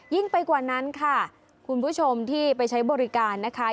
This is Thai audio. ไปกว่านั้นค่ะคุณผู้ชมที่ไปใช้บริการนะคะ